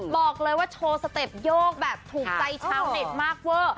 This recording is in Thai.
บอกเลยว่าโชว์สเต็ปโยกแบบถูกใจชาวเน็ตมากเวอร์